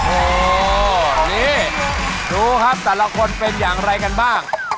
โอ้โหนี่ดูครับแต่ละคนเป็นอย่างไรกันบ้าง